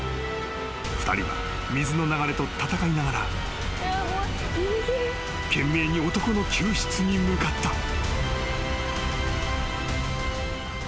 ［２人は水の流れと闘いながら懸命に男の救出に向かった］